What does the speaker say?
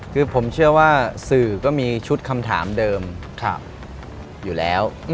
คือผมเชื่อว่าสื่อก็มีชุดคำถามเดิมอยู่แล้ว